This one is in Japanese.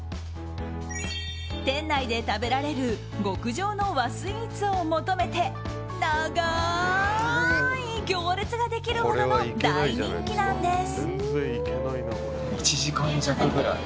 店内で食べられる極上の和スイーツを求めて長い行列ができるほどの大人気なんです。